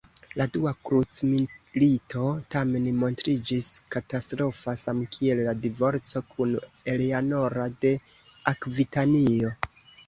La dua krucmilito tamen montriĝis katastrofa, samkiel la divorco kun Eleanora de Akvitanio.